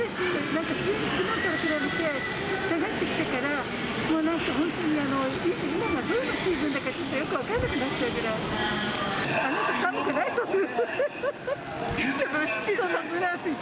なんかきのうと比べて下がってきたから、もうなんか本当に今がどんなシーズンだかちょっとよく分からなくなっちゃうぐらい。